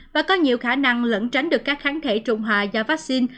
và có nhiều khả năng lẫn tránh được các kháng thể trụng hòa do vaccine